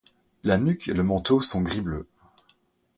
La nuque et le manteau sont gris bleu.